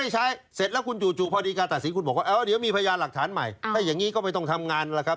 ใช้เสร็จแล้วคุณจู่พอดีการตัดสินคุณบอกว่าเดี๋ยวมีพยานหลักฐานใหม่ถ้าอย่างนี้ก็ไม่ต้องทำงานแล้วครับ